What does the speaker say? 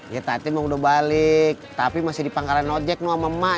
ya tadi mau udah balik tapi masih dipangkalin ojek noh sama emak